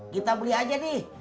kita beli aja dih